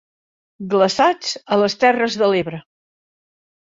Glaçats a les terres de l'Ebre.